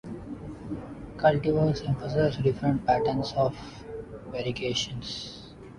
Cultivars emphasize different patterns of variegation.